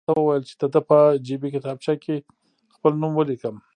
ډاکټر راته وویل چې د ده په جیبي کتابچه کې خپل نوم ولیکم.